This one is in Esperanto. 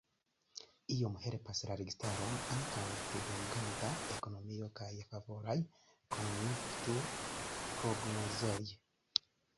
Iom helpas la registaron ankaŭ pliboniĝanta ekonomio kaj favoraj konjunktur-prognozoj.